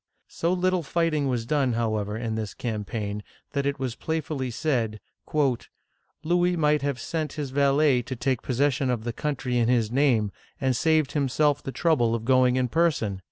So little fighting was done, however, in this campaign, that it was playfully said, "Louis might have sent his valet to take possession of the country in his name, and have saved himself the trouble of going in person